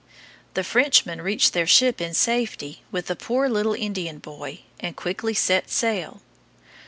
The Frenchmen reached their ship in safety with the poor little Indian boy, and quickly set sail.